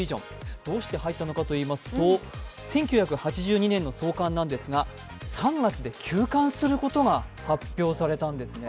どうして入ったのかといいますと、１９８２年の創刊なんですが３月で休刊することが発表されたんですね。